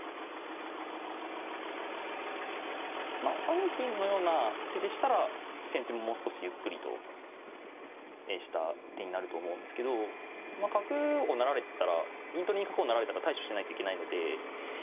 まあ３二金のような手でしたら先手ももう少しゆっくりとした手になると思うんですけど角を成られたら銀取りに角を成られたら対処しないといけないので。